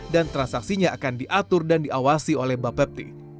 dan transaksinya akan diatur dan diawasi oleh mbak bepty